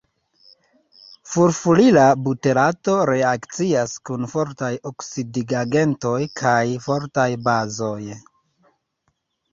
Furfurila buterato reakcias kun fortaj oksidigagentoj kaj fortaj bazoj.